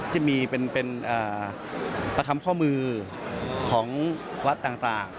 จะมีเป็นประคำข้อมือของวัดต่าง